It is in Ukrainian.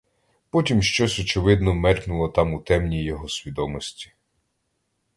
Потім щось, очевидно, мелькнуло там у темній його свідомості.